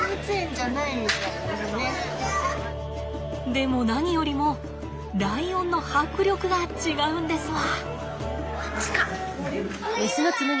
でも何よりもライオンの迫力が違うんですわ。